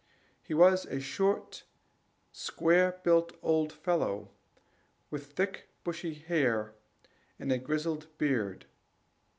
He was a short, square built old fellow, with thick bushy hair, and a grizzled beard.